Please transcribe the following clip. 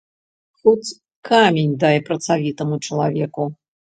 Хоць камень дай працавітаму чалавеку.